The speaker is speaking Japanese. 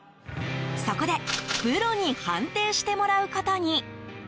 そこで、プロに判定してもらうことに。